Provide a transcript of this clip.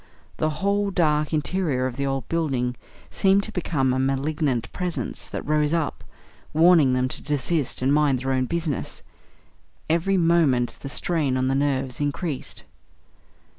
The whole dark interior of the old building seemed to become a malignant Presence that rose up, warning them to desist and mind their own business; every moment the strain on the nerves increased.